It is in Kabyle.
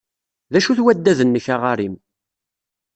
D acu-t waddad-nnek aɣarim?